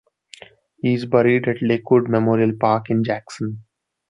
He is buried at Lakewood Memorial Park in Jackson.